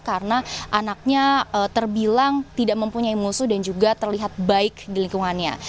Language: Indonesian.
karena anaknya terbilang tidak mempunyai musuh dan juga terlihat baik di lingkungannya